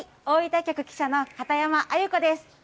大分局記者の片山晏友子です。